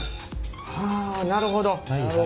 はあなるほど。